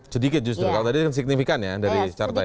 sedikit justru kalau tadi signifikan ya dari carta ya